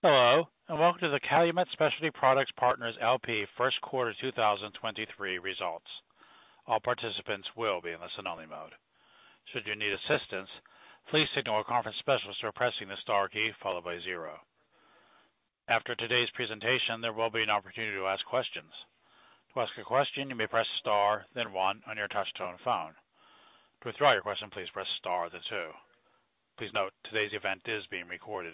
Hello, and welcome to the Calumet Specialty Products Partners, L.P. Q1 2023 Results. All participants will be in listen only mode. Should you need assistance, please signal a conference specialist by pressing the star key followed by zero. After today's presentation, there will be an opportunity to ask questions. To ask a question, you may press star then one on your touchtone phone. To withdraw your question, please press star then two. Please note today's event is being recorded.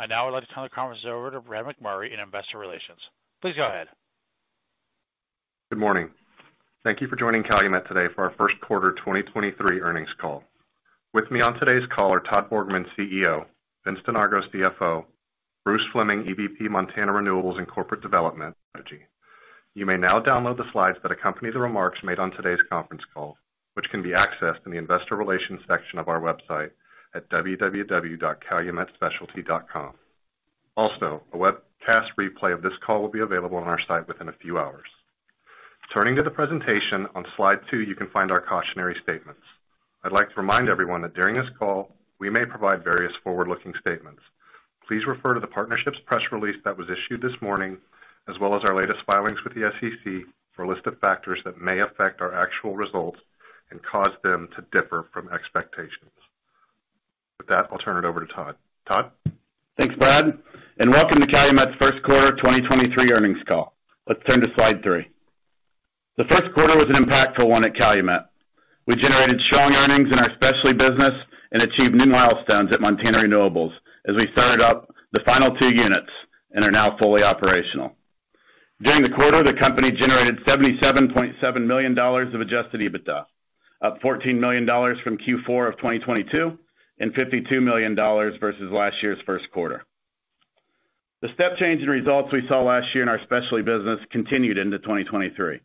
I'd now like to turn the conference over to Brad McMurray in Investor Relations. Please go ahead. Good morning. Thank you for joining Calumet today for our Q1 2023 Earnings Call. With me on today's call are Todd Borgmann, CEO, Vince Donargo, CFO, Bruce Fleming, EVP, Montana Renewables and Corporate Development strategy. You may now download the slides that accompany the remarks made on today's conference call, which can be accessed in the investor relations section of our website at www.calumetspecialty.com. Also, a webcast replay of this call will be available on our site within a few hours. Turning to the presentation, on slide two, you can find our cautionary statements. I'd like to remind everyone that during this call, we may provide various forward-looking statements. Please refer to the Partnership's press release that was issued this morning, as well as our latest filings with the SEC for a list of factors that may affect our actual results and cause them to differ from expectations. With that, I'll turn it over to Todd. Todd? Thanks, Brad, and welcome to Calumet's Q1 2023 Earnings Call. Let's turn to slide three. The Q1 was an impactful one at Calumet. We generated strong earnings in our specialty business and achieved new milestones at Montana Renewables as we started up the final two units and are now fully operational. During the quarter, the company generated $77.7 million of adjusted EBITDA, up $14 million from Q4 of 2022 and $52 million versus last year's Q1. The step change in results we saw last year in our specialty business continued into 2023.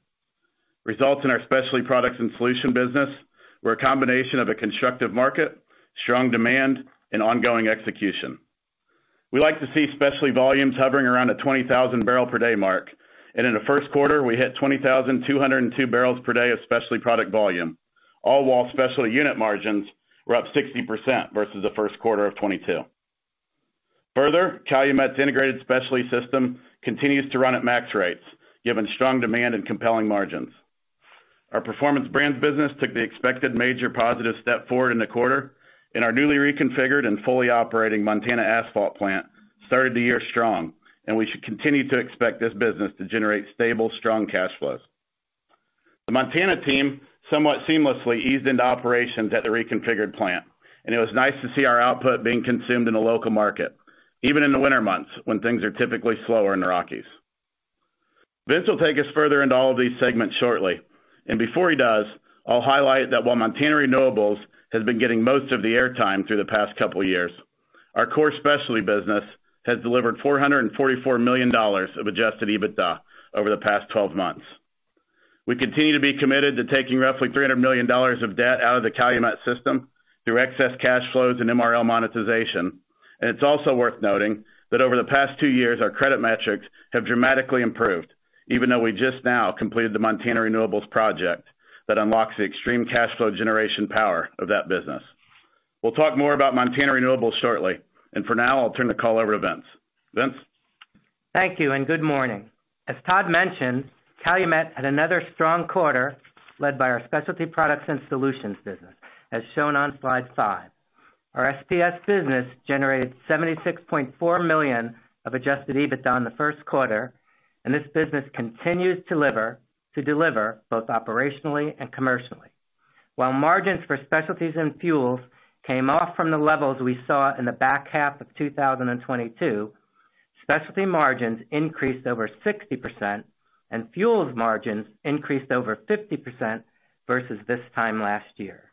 Results in our Specialty Products and Solutions business were a combination of a constructive market, strong demand, and ongoing execution. We like to see specialty volumes hovering around the 20,000 barrel per day mark. In the Q1, we hit 20,202 barrels per day of specialty product volume, all while specialty unit margins were up 60% versus the Q1 of 2022. Further, Calumet's integrated specialty system continues to run at max rates, given strong demand and compelling margins. Our Performance Brands business took the expected major positive step forward in the quarter, and our newly reconfigured and fully operating Montana Asphalt plant started the year strong, and we should continue to expect this business to generate stable, strong cash flows. The Montana team somewhat seamlessly eased into operations at the reconfigured plant, and it was nice to see our output being consumed in the local market, even in the winter months when things are typically slower in the Rockies. Vince will take us further into all of these segments shortly. Before he does, I'll highlight that while Montana Renewables has been getting most of the airtime through the past couple of years, our core specialty business has delivered $444 million of adjusted EBITDA over the past 12 months. We continue to be committed to taking roughly $300 million of debt out of the Calumet system through excess cash flows and MRL monetization. It's also worth noting that over the past two years, our credit metrics have dramatically improved, even though we just now completed the Montana Renewables project that unlocks the extreme cash flow generation power of that business. We'll talk more about Montana Renewables shortly, and for now, I'll turn the call over to Vince. Vince? Thank you and good morning. As Todd mentioned, Calumet had another strong quarter led by our Specialty Products and Solutions business, as shown on slide five. Our SPS business generated $76.4 million of adjusted EBITDA in the Q1, and this business continues to deliver both operationally and commercially. While margins for specialties and fuels came off from the levels we saw in the back half of 2022, specialty margins increased over 60% and fuels margins increased over 50% versus this time last year.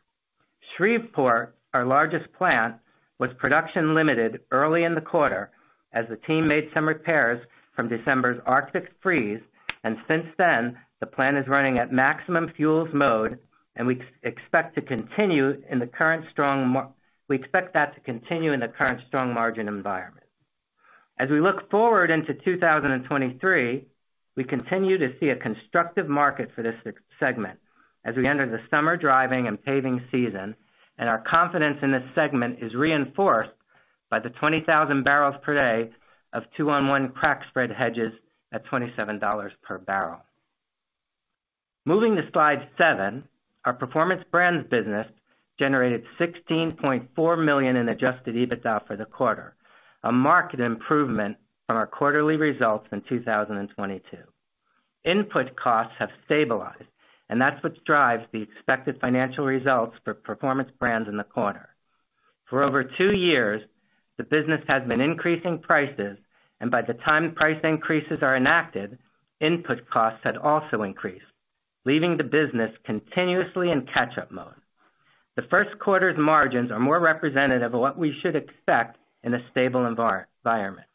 Shreveport, our largest plant, was production limited early in the quarter as the team made some repairs from December's arctic freeze, and since then, the plant is running at maximum fuels mode, and we expect that to continue in the current strong margin environment. As we look forward into 2023, we continue to see a constructive market for this segment as we enter the summer driving and paving season. Our confidence in this segment is reinforced by the 20,000 barrels per day of 2-1-1 crack spread hedges at $27 per barrel. Moving to slide seven, our Performance Brands business generated $16.4 million in adjusted EBITDA for the quarter, a market improvement from our quarterly results in 2022. Input costs have stabilized, that's what drives the expected financial results for Performance Brands in the quarter. For over two years, the business has been increasing prices, and by the time price increases are enacted, input costs had also increased, leaving the business continuously in catch-up mode. The Q1's margins are more representative of what we should expect in a stable environment.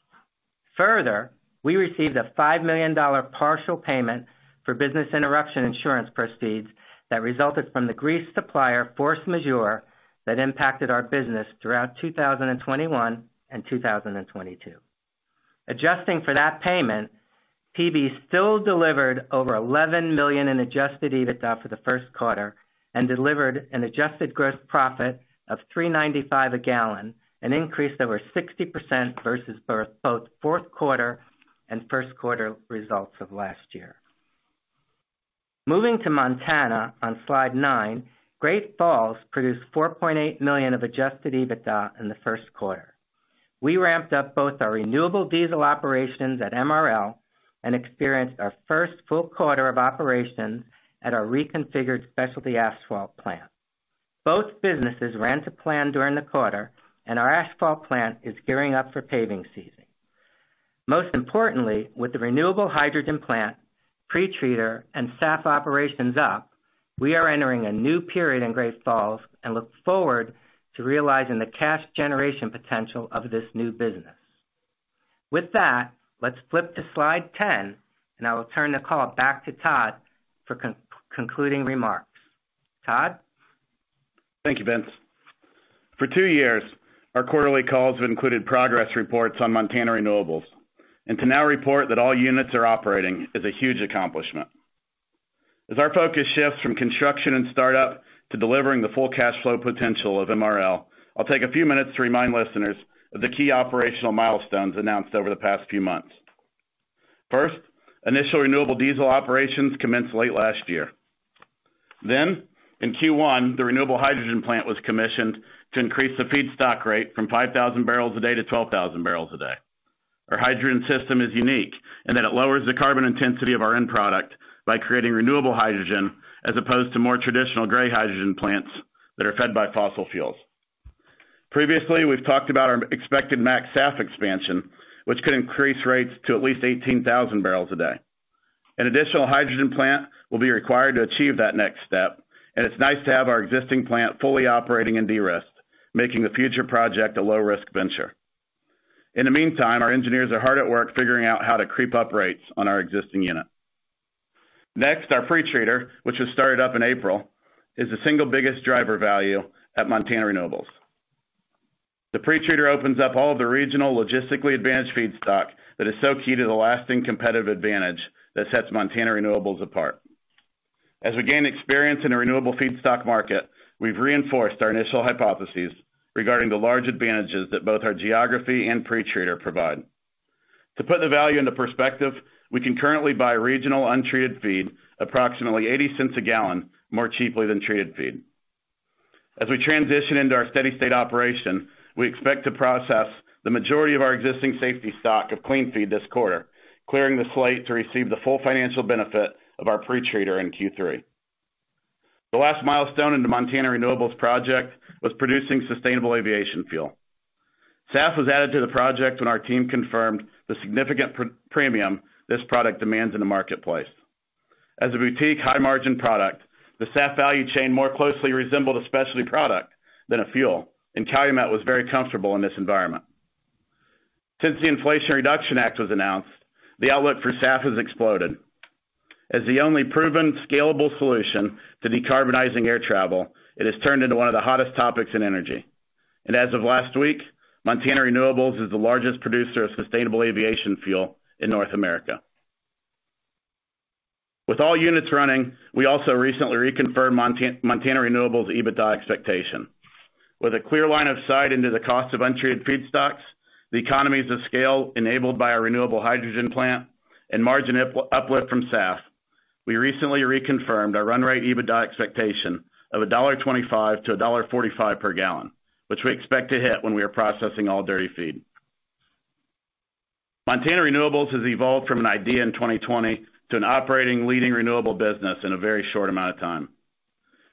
Further, we received a $5 million partial payment for business interruption insurance proceeds that resulted from the grease supplier force majeure that impacted our business throughout 2021 and 2022. Adjusting for that payment, PB still delivered over $11 million in adjusted EBITDA for the Q1 and delivered an adjusted gross profit of $3.95 a gallon, an increase over 60% versus both Q4 and Q1 results of last year. Moving to Montana on slide nine, Great Falls produced $4.8 million of adjusted EBITDA in the Q1. We ramped up both our renewable diesel operations at MRL and experienced our first full quarter of operations at our reconfigured specialty asphalt plant. Both businesses ran to plan during the quarter and our asphalt plant is gearing up for paving season. Most importantly, with the renewable hydrogen plant, pretreater and SAF operations up, we are entering a new period in Great Falls and look forward to realizing the cash generation potential of this new business. With that, let's flip to slide 10, and I will turn the call back to Todd for concluding remarks. Todd? Thank you, Vince. For two years, our quarterly calls have included progress reports on Montana Renewables. To now report that all units are operating is a huge accomplishment. As our focus shifts from construction and startup to delivering the full cash flow potential of MRL, I'll take a few minutes to remind listeners of the key operational milestones announced over the past few months. First, initial renewable diesel operations commenced late last year. In Q1, the renewable hydrogen plant was commissioned to increase the feedstock rate from 5,000 barrels a day to 12,000 barrels a day. Our hydrogen system is unique in that it lowers the carbon intensity of our end product by creating renewable hydrogen as opposed to more traditional gray hydrogen plants that are fed by fossil fuels. Previously, we've talked about our expected MaxSAF expansion, which could increase rates to at least 18,000 barrels a day. An additional hydrogen plant will be required to achieve that next step, and it's nice to have our existing plant fully operating in de-risk, making the future project a low-risk venture. In the meantime, our engineers are hard at work figuring out how to creep up rates on our existing unit. Our pretreater, which was started up in April, is the single biggest driver value at Montana Renewables. The pretreater opens up all the regional logistically advanced feedstock that is so key to the lasting competitive advantage that sets Montana Renewables apart. As we gain experience in a renewable feedstock market, we've reinforced our initial hypotheses regarding the large advantages that both our geography and pretreater provide. To put the value into perspective, we can currently buy regional untreated feed approximately $0.80 a gallon more cheaply than treated feed. As we transition into our steady state operation, we expect to process the majority of our existing safety stock of clean feed this quarter, clearing the slate to receive the full financial benefit of our pretreater in Q3. The last milestone in the Montana Renewables project was producing sustainable aviation fuel. SAF was added to the project when our team confirmed the significant premium this product demands in the marketplace. As a boutique high-margin product, the SAF value chain more closely resembled a specialty product than a fuel, Calumet was very comfortable in this environment. Since the Inflation Reduction Act was announced, the outlook for SAF has exploded. As the only proven scalable solution to decarbonizing air travel, it has turned into one of the hottest topics in energy. As of last week, Montana Renewables is the largest producer of sustainable aviation fuel in North America. With all units running, we also recently reconfirmed Montana Renewables EBITDA expectation. With a clear line of sight into the cost of untreated feedstocks, the economies of scale enabled by our renewable hydrogen plant and margin uplift from SAF, we recently reconfirmed our run rate EBITDA expectation of $1.25-$1.45 per gallon, which we expect to hit when we are processing all dirty feed. Montana Renewables has evolved from an idea in 2020 to an operating leading renewable business in a very short amount of time.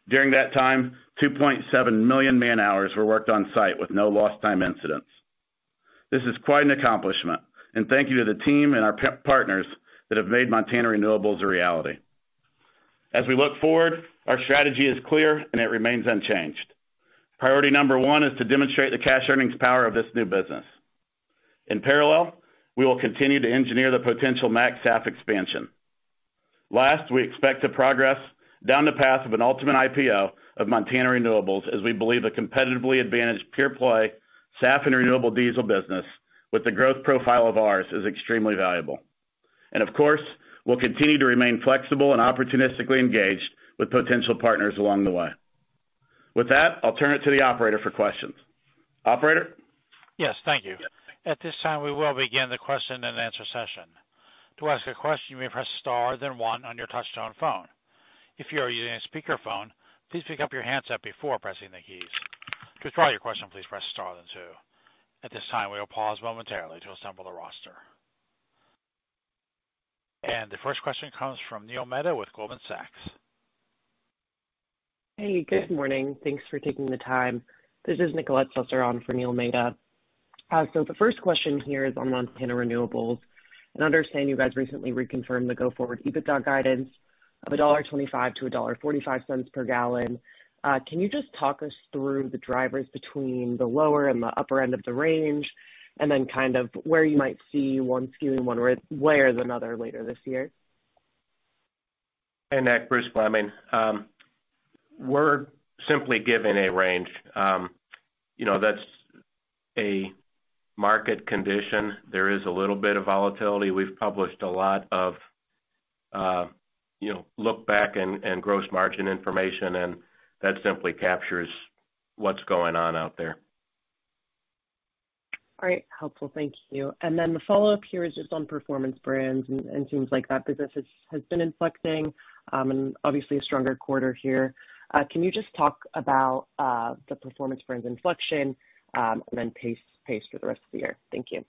During that time, 2.7 million man-hours were worked on site with no lost time incidents. This is quite an accomplishment, thank you to the team and our partners that have made Montana Renewables a reality. As we look forward, our strategy is clear and it remains unchanged. Priority number one is to demonstrate the cash earnings power of this new business. In parallel, we will continue to engineer the potential MaxSAF expansion. Last, we expect to progress down the path of an ultimate IPO of Montana Renewables as we believe a competitively advantaged pure-play SAF and renewable diesel business with the growth profile of ours is extremely valuable. Of course, we'll continue to remain flexible and opportunistically engaged with potential partners along the way. With that, I'll turn it to the operator for questions. Operator? Yes, thank you. At this time, we will begin the question-and-answer session. To ask a question, you may press star then one on your touch-tone phone. If you are using a speakerphone, please pick up your handset before pressing the keys. To withdraw your question, please press star then two. At this time, we will pause momentarily to assemble the roster. The first question comes from Neil Mehta with Goldman Sachs. Hey, good morning. Thanks for taking the time. This is Nicolette Slusser on for Neil Mehta. The first question here is on Montana Renewables, and I understand you guys recently reconfirmed the go-forward EBITDA guidance of $1.25 to $1.45 per gallon. Can you just talk us through the drivers between the lower and the upper end of the range and then kind of where you might see one skewing one way or another later this year? Nicolette, Bruce Fleming. We're simply given a range. You know, that's a market condition. There is a little bit of volatility. We've published a lot of, you know, look back and, gross margin information. That simply captures what's going on out there. All right. Helpful. Thank you. The follow-up here is just on Performance Brands and seems like that business has been inflecting, and obviously a stronger quarter here. Can you just talk about the Performance Brands inflection, and then pace for the rest of the year? Thank you.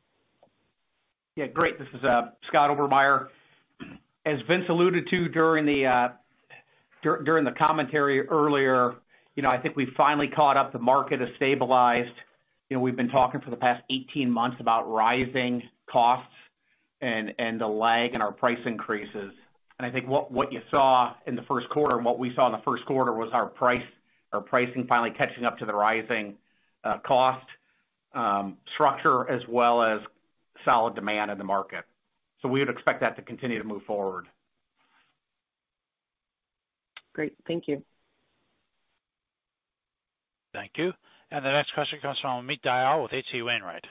Yeah. Great. This is Scott Obermeier. As Vince alluded to during the commentary earlier, you know, I think we finally caught up. The market has stabilized. You know, we've been talking for the past 18 months about rising costs and the lag in our price increases. I think what you saw in the Q1 and what we saw in the Q1 was our pricing finally catching up to the rising cost structure as well as solid demand in the market. We would expect that to continue to move forward. Great. Thank you. Thank you. The next question comes from Amit Dayal with H.C. Wainwright.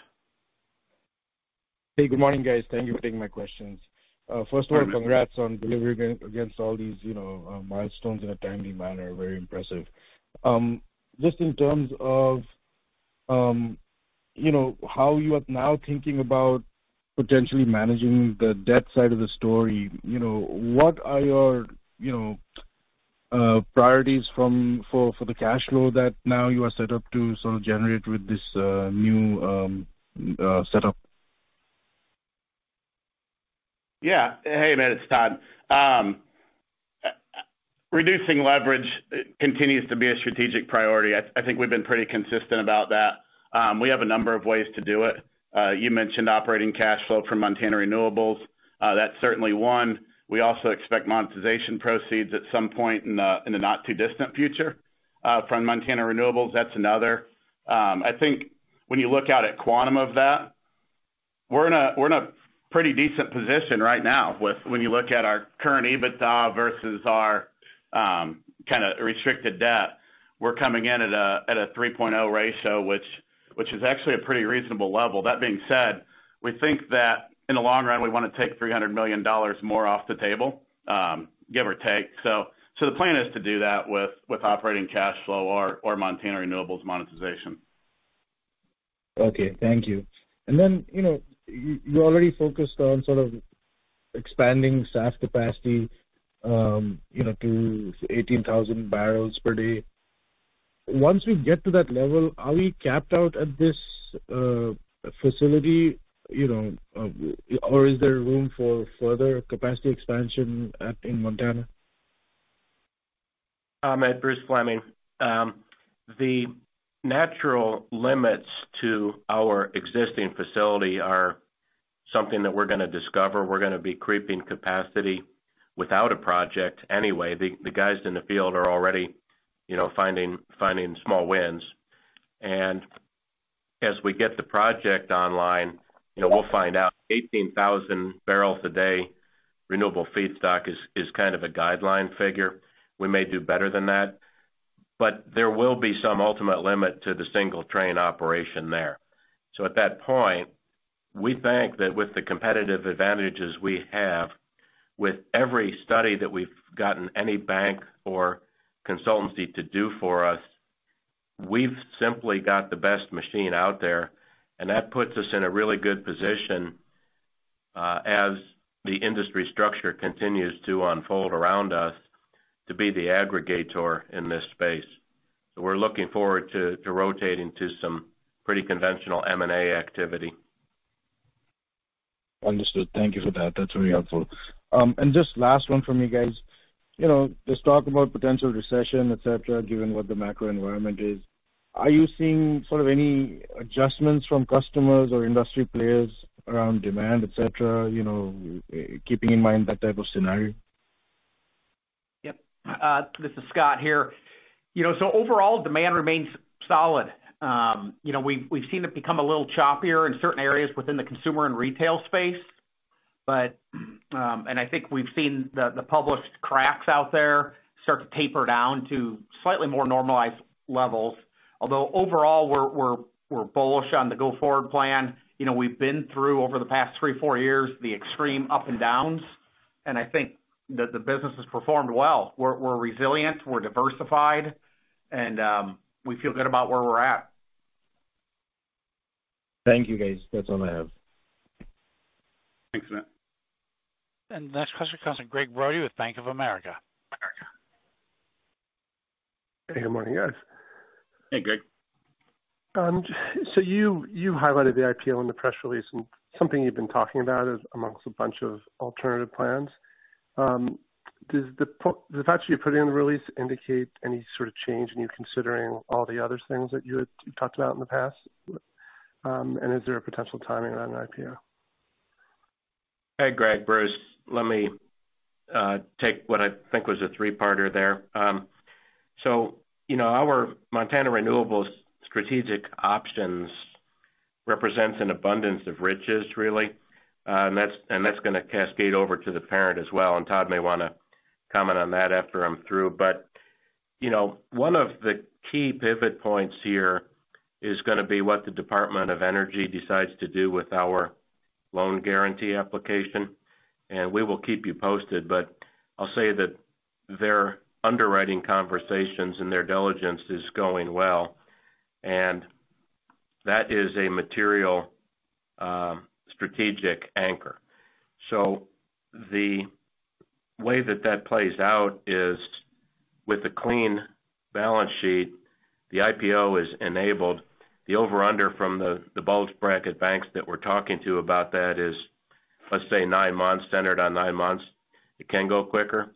Hey, good morning, guys. Thank you for taking my questions. Mm-hmm. Congrats on delivering against all these, you know, milestones in a timely manner. Very impressive. Just in terms of, you know, how you are now thinking about potentially managing the debt side of the story, you know, what are your, you know, priorities for the cash flow that now you are set up to sort of generate with this, new, setup? Yeah. Hey, Amit. It's Todd. Reducing leverage continues to be a strategic priority. I think we've been pretty consistent about that. We have a number of ways to do it. You mentioned operating cash flow from Montana Renewables. That's certainly one. We also expect monetization proceeds at some point in the not too distant future from Montana Renewables. That's another. I think when you look out at quantum of that, we're in a pretty decent position right now when you look at our current EBITDA versus our kinda restricted debt. We're coming in at a 3.0 ratio, which is actually a pretty reasonable level. That being said, we think that in the long run, we wanna take $300 million more off the table, give or take. The plan is to do that with operating cash flow or Montana Renewables monetization. Okay. Thank you. You know, you already focused on sort of expanding SAF capacity, you know, to 18,000 barrels per day. Once we get to that level, are we capped out at this facility, you know, or is there room for further capacity expansion in Montana? Amit, Bruce Fleming. The natural limits to our existing facility are something that we're gonna discover. We're gonna be creeping capacity without a project anyway. The guys in the field are already, you know, finding small wins. As we get the project online, you know, we'll find out. 18,000 barrels a day renewable feedstock is kind of a guideline figure. We may do better than that. But there will be some ultimate limit to the single train operation there. At that point, we think that with the competitive advantages we have with every study that we've gotten any bank or consultancy to do for us, we've simply got the best machine out there, and that puts us in a really good position as the industry structure continues to unfold around us to be the aggregator in this space. We're looking forward to rotating to some pretty conventional M&A activity. Understood. Thank you for that. That's very helpful. Just last one from you guys. You know, there's talk about potential recession, et cetera, given what the macro environment is. Are you seeing sort of any adjustments from customers or industry players around demand, et cetera, you know, keeping in mind that type of scenario? Yep. This is Scott here. You know, overall demand remains solid. You know, we've seen it become a little choppier in certain areas within the consumer and retail space. I think we've seen the published cracks out there start to taper down to slightly more normalized levels. Although overall, we're bullish on the go-forward plan. You know, we've been through over the past three, four years, the extreme up and downs, and I think that the business has performed well. We're resilient, we're diversified, and we feel good about where we're at. Thank you, guys. That's all I have. Thanks, Amit. Next question comes from Gregg Brody with Bank of America. Hey, good morning, guys. Hey, Greg. You, you highlighted the IPO in the press release and something you've been talking about is amongst a bunch of alternative plans. Does the fact that you put it in the release indicate any sort of change in you considering all the other things that you had talked about in the past? Is there a potential timing on an IPO? Hey, Greg. Bruce. Let me take what I think was a three-parter there. You know, our Montana Renewables strategic options represents an abundance of riches, really. That's, and that's gonna cascade over to the parent as well. Todd may wanna comment on that after I'm through. You know, one of the key pivot points here is gonna be what the Department of Energy decides to do with our loan guarantee application, and we will keep you posted. I'll say that their underwriting conversations and their diligence is going well, and that is a material strategic anchor. The way that that plays out is with a clean balance sheet, the IPO is enabled. The over-under from the bulge bracket banks that we're talking to about that is, let's say, nine months, centered on nine months. It can go quicker.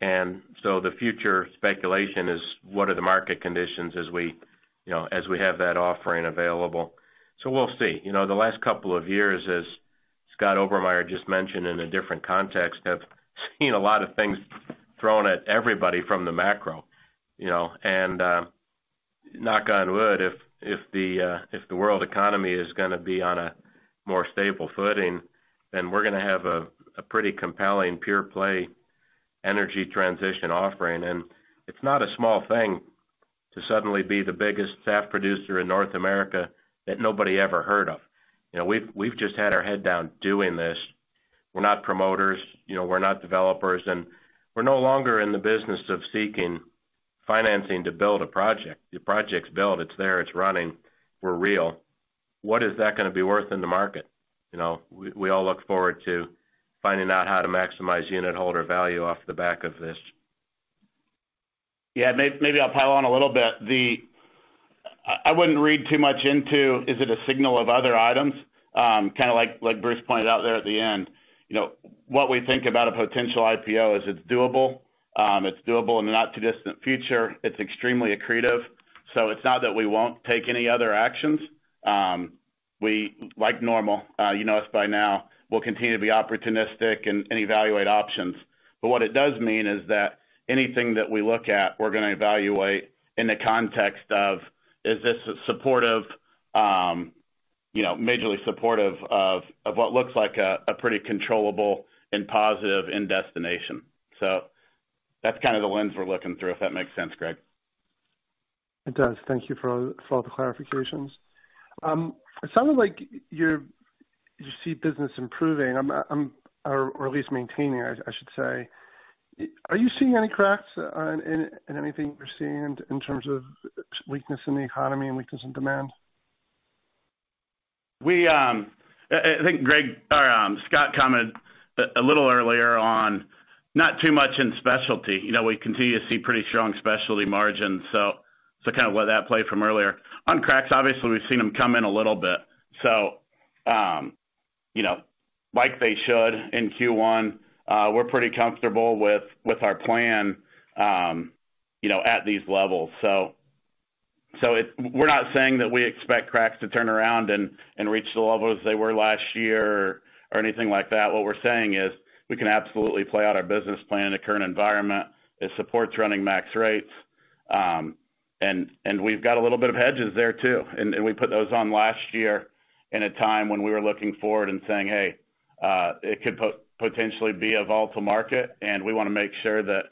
The future speculation is what are the market conditions as we, you know, as we have that offering available. We'll see. You know, the last couple of years, as Scott Obermeier just mentioned in a different context, have seen a lot of things thrown at everybody from the macro, you know. Knock on wood, if the world economy is gonna be on a more stable footing, then we're gonna have a pretty compelling pure play energy transition offering. It's not a small thing to suddenly be the biggest SAF producer in North America that nobody ever heard of. You know, we've just had our head down doing this. We're not promoters, you know, we're not developers, and we're no longer in the business of seeking financing to build a project. The project's built. It's there. It's running. We're real. What is that going to be worth in the market? You know, we all look forward to finding out how to maximize unit holder value off the back of this. Yeah, maybe I'll pile on a little bit. I wouldn't read too much into, is it a signal of other items? Kinda like Bruce pointed out there at the end, you know, what we think about a potential IPO is it's doable. It's doable in the not too distant future. It's extremely accretive. It's not that we won't take any other actions. We, like normal, you know us by now, we'll continue to be opportunistic and evaluate options. What it does mean is that anything that we look at, we're gonna evaluate in the context of, is this supportive, you know, majorly supportive of what looks like a pretty controllable and positive end destination. That's kinda the lens we're looking through, if that makes sense, Gregg. It does. Thank you for all the clarifications. It sounded like you're, you see business improving. I'm or at least maintaining, I should say. Are you seeing any cracks in anything you're seeing in terms of weakness in the economy and weakness in demand? We, I think Greg or Scott commented a little earlier on not too much in specialty. You know, we continue to see pretty strong specialty margins. Kind of let that play from earlier. On cracks, obviously, we've seen them come in a little bit, so, you know, like they should in Q1. We're pretty comfortable with our plan, you know, at these levels. We're not saying that we expect cracks to turn around and reach the levels they were last year or anything like that. What we're saying is we can absolutely play out our business plan in the current environment. It supports running max rates, and we've got a little bit of hedges there too. We put those on last year in a time when we were looking forward and saying, Hey, it could potentially be a volatile market, and we wanna make sure that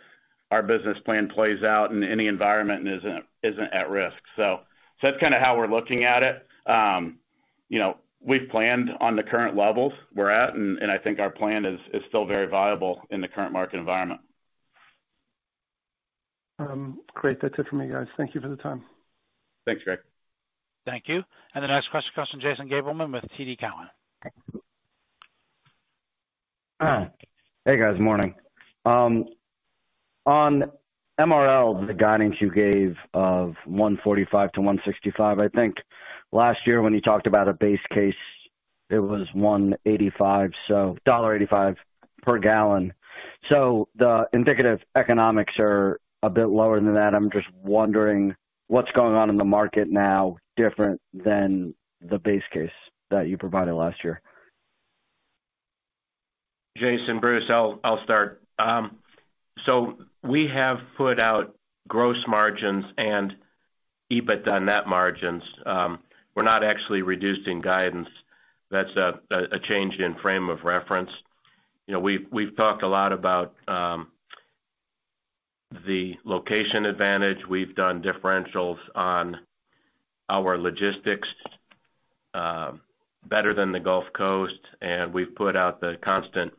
our business plan plays out in any environment and isn't at risk. That's kinda how we're looking at it. You know, we've planned on the current levels we're at, and I think our plan is still very viable in the current market environment. Great. That's it for me, guys. Thank you for the time. Thanks, Greg. Thank you. The next question comes from Jason Gabelman with TD Cowen. Okay. Hey, guys. Morning. On MRL, the guidance you gave of $1.45-$1.65, I think last year when you talked about a base case, it was $1.85, so $1.85 per gallon. The indicative economics are a bit lower than that. I'm just wondering what's going on in the market now different than the base case that you provided last year. Jason, Bruce, I'll start. We have put out gross margins and EBITDA net margins. We're not actually reducing guidance. That's a change in frame of reference. You know, we've talked a lot about the location advantage. We've done differentials on our logistics, better than the Gulf Coast, and we've put out the constant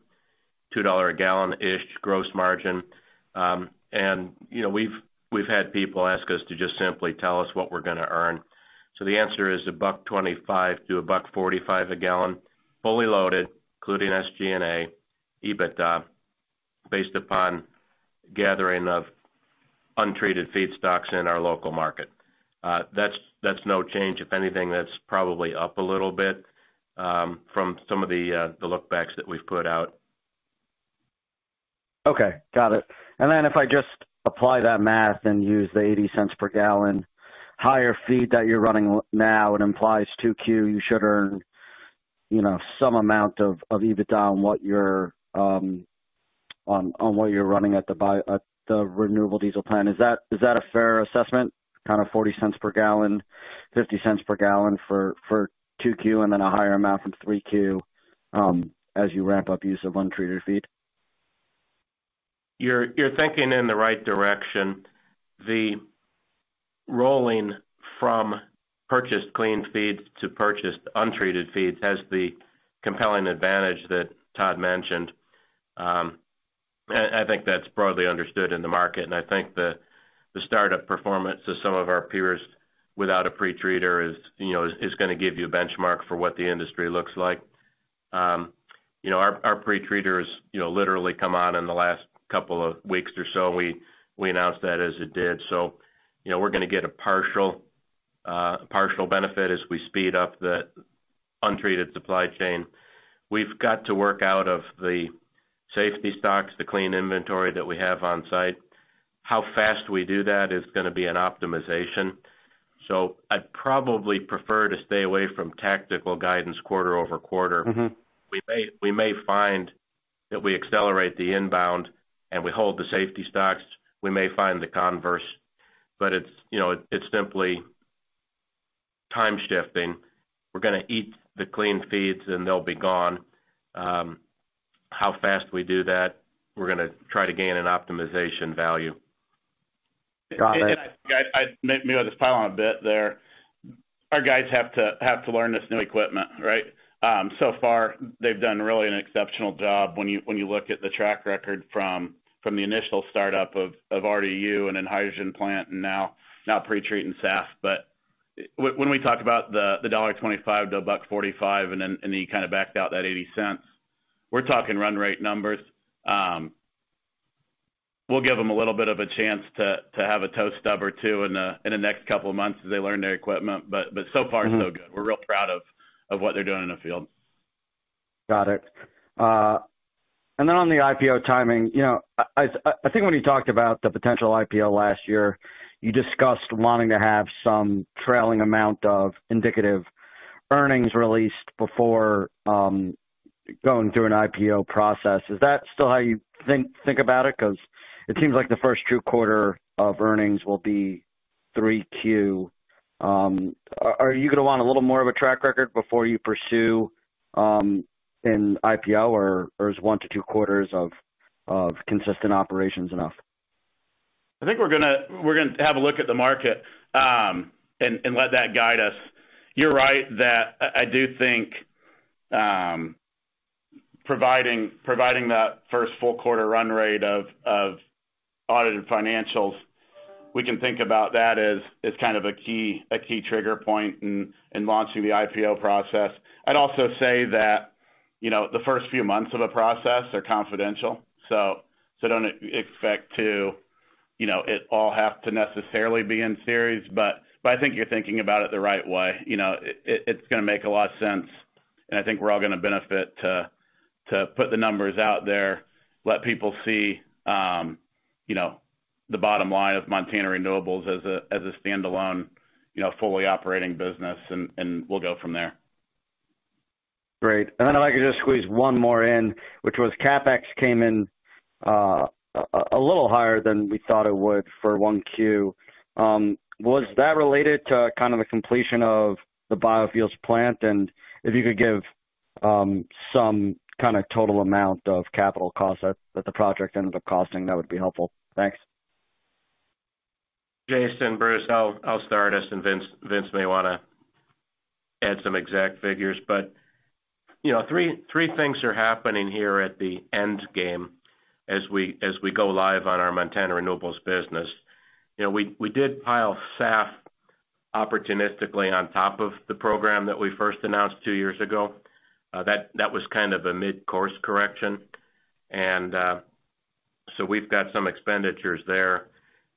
$2 a gallon-ish gross margin. You know, we've had people ask us to just simply tell us what we're gonna earn. The answer is $1.25 to $1.45 a gallon, fully loaded, including SG&A, EBITDA, based upon gathering of untreated feedstocks in our local market. That's no change. If anything, that's probably up a little bit from some of the look backs that we've put out. Okay, got it. If I just apply that math and use the $0.80 per gallon higher feed that you're running now, it implies 2Q, you should earn, you know, some amount of EBITDA on what you're running at the renewable diesel plant. Is that a fair assessment? Kinda $0.40 per gallon, $0.50 per gallon for 2Q and then a higher amount from 3Q as you ramp up use of untreated feed? You're thinking in the right direction. The rolling from purchased clean feeds to purchased untreated feeds has the compelling advantage that Todd mentioned. I think that's broadly understood in the market, and I think the startup performance of some of our peers without a pretreater is, you know, is gonna give you a benchmark for what the industry looks like. You know, our pretreater has, you know, literally come on in the last couple of weeks or so. We announced that as it did. You know, we're gonna get a partial benefit as we speed up the untreated supply chain. We've got to work out of the safety stocks, the clean inventory that we have on site. How fast we do that is gonna be an optimization. I'd probably prefer to stay away from tactical guidance quarter over quarter. Mm-hmm. We may find that we accelerate the inbound and we hold the safety stocks. We may find the converse. It's, you know, it's simply time shifting. We're gonna eat the clean feeds, and they'll be gone. How fast we do that, we're gonna try to gain an optimization value. Got it. Yeah, I may just pile on a bit there. Our guys have to learn this new equipment, right? So far they've done really an exceptional job when you look at the track record from the initial startup of RDU and then hydrogen plant and now pretreating SAF. When we talk about the $1.25 to a buck forty-five, and you kinda backed out that $0.80, we're talking run rate numbers. We'll give them a little bit of a chance to have a toe stub or two in the next couple of months as they learn their equipment. So far so good. We're real proud of what they're doing in the field. Got it. On the IPO timing, you know, I think when you talked about the potential IPO last year, you discussed wanting to have some trailing amount of indicative earnings released before going through an IPO process. Is that still how you think about it? 'Cause it seems like the first true quarter of earnings will be 3Q. Are you gonna want a little more of a track record before you pursue an IPO, or is 1-2 quarters of consistent operations enough? I think we're gonna have a look at the market, and let that guide us. You're right that I do think, providing that first full quarter run rate of audited financials, we can think about that as kind of a key trigger point in launching the IPO process. I'd also say that, you know, the first few months of the process are confidential. don't expect to, you know, it all have to necessarily be in series. I think you're thinking about it the right way. You know, it's gonna make a lot of sense, and I think we're all gonna benefit to put the numbers out there, let people see, you know, the bottom line of Montana Renewables as a standalone, you know, fully operating business, and we'll go from there. Great. If I could just squeeze one more in, which was CapEx came in a little higher than we thought it would for Q1. Was that related to kind of the completion of the biofuels plant? If you could give kind of total amount of capital costs that the project ended up costing, that would be helpful. Thanks. Jason, Bruce, I'll start us, and Vince may wanna add some exact figures. You know, three things are happening here at the end game as we go live on our Montana Renewables business. You know, we did pile SAF opportunistically on top of the program that we first announced two years ago. That was kind of a mid-course correction. We've got some expenditures there.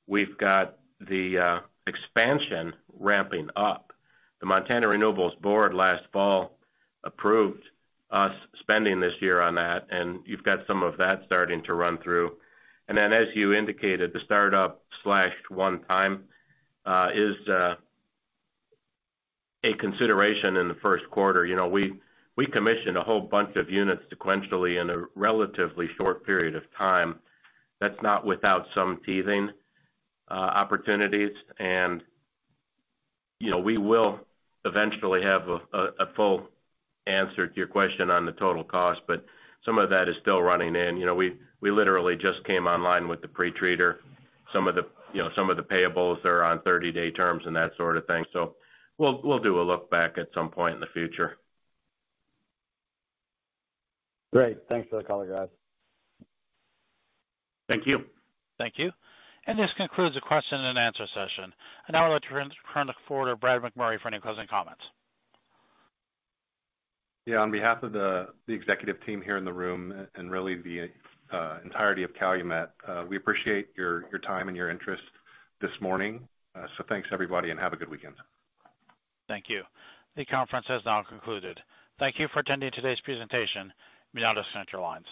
We've got the expansion ramping up. The Montana Renewables board last fall approved us spending this year on that, and you've got some of that starting to run through. As you indicated, the startup/one time is a consideration in the Q1. You know, we commissioned a whole bunch of units sequentially in a relatively short period of time. That's not without some teething opportunities. You know, we will eventually have a full answer to your question on the total cost, but some of that is still running in. You know, we literally just came online with the pretreater. Some of the, you know, some of the payables are on 30-day terms and that sort of thing. We'll, we'll do a look back at some point in the future. Great. Thanks for the color, guys. Thank you. Thank you. This concludes the question and answer session. I now want to turn the call over to Brad McMurray for any closing comments. Yeah. On behalf of the executive team here in the room and really the entirety of Calumet, we appreciate your time and your interest this morning. Thanks, everybody, and have a good weekend. Thank you. The conference has now concluded. Thank you for attending today's presentation. You may now disconnect your lines.